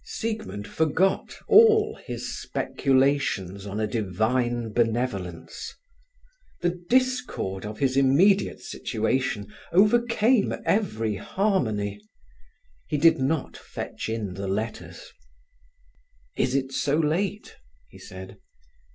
Siegmund forgot all his speculations on a divine benevolence. The discord of his immediate situation overcame every harmony. He did not fetch in the letters. "Is it so late?" he said.